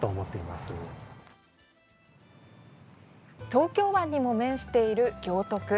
東京湾にも面している行徳。